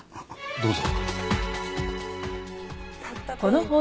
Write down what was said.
どうぞ。